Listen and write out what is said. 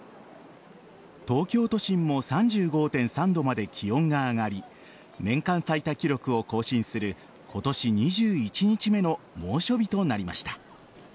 東京都心も３５．３度まで気温が上がり年間最多記録を更新する今年２１日目の猛暑日となりました。